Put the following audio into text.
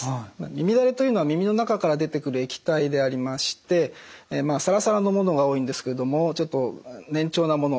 耳だれというのは耳の中から出てくる液体でありましてサラサラのものが多いんですけれどもちょっと粘稠なもの